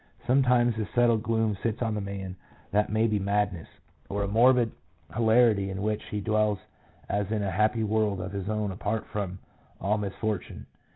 Sometimes a settled gloom sits on the man that may be madness, or a morbid hilarity in which he dwells as in a happy world of his own apart from all mis fortune.